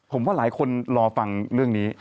ผมว่าหลายคนรอฟังเรื่องนี้